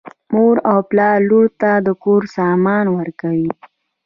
مور او پلار لور ته د کور سامان ورکوي.